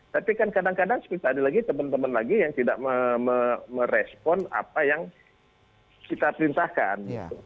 tapi kan kadang kadang seperti tadi lagi teman teman lagi yang tidak merespon apa yang kita perintahkan